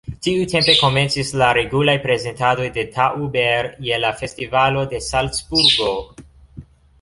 Tiutempe komencis la regulaj prezentadoj de Tauber je la Festivalo de Salcburgo.